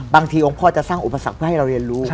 องค์พ่อจะสร้างอุปสรรคเพื่อให้เราเรียนรู้